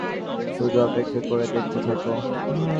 শুধু অপেক্ষা করে দেখতে থাকো।